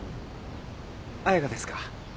彩佳ですか？